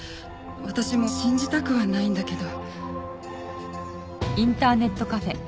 私も信じたくはないんだけど。